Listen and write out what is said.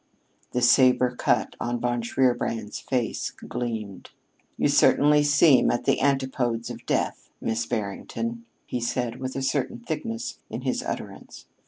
The sabre cut on Von Shierbrand's face gleamed. "You certainly seem at the antipodes of death, Miss Barrington," he said with a certain thickness in his utterance.